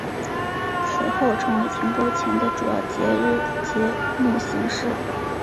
此后成为停播前的主要节目形式。